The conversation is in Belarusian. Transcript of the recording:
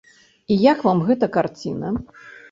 І як вам гэта карціна?